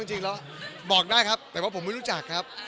จริงแล้วบอกได้ครับแต่ว่าผมไม่รู้จักครับ